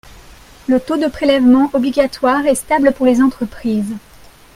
Le taux de prélèvement obligatoire est stable pour les entreprises.